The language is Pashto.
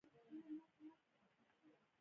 د لبنیاتو د پروسس مرکزونه په ننګرهار کې فعال دي.